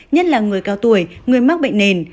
nhất là người cao tuổi người mắc bệnh nền